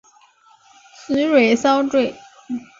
紫蕊蚤缀